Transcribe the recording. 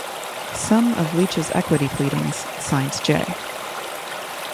Some of Leach's equity pleadings, signed 'J.